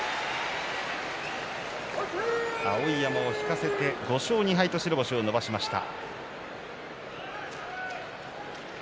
碧山を引かせて５勝２敗と白星を伸ばしました。